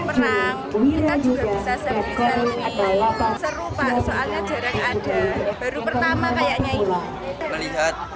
kita juga bisa sembih sembih serupa soalnya jarang ada baru pertama kayaknya ini melihat